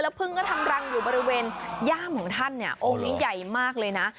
พึ่งก็ทำรังอยู่บริเวณย่ามของท่านเนี่ยองค์นี้ใหญ่มากเลยนะ